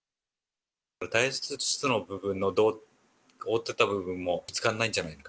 耐圧室の部分の、胴の覆ってた部分も見つからないんじゃないか。